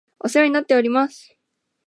お世話になっております